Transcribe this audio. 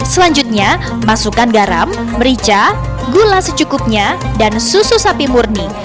selanjutnya masukkan garam merica gula secukupnya dan susu sapi murni